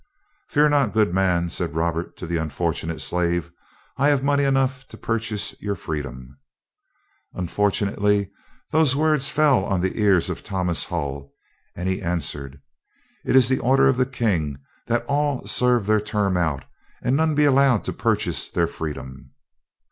"Fear not, good man," said Robert to the unfortunate slave. "I have money enough to purchase your freedom." Unfortunately those words fell on the ears of Thomas Hull, and he answered: "It is the order of the king that all serve their term out, and none be allowed to purchase their freedom."